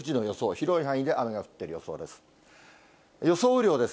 広い範囲で雨が降っている予想です。